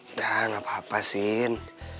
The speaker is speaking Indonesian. udah gak apa apa sih